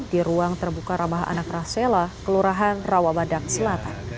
di ruang terbuka ramah anak rasela kelurahan rawabadak selatan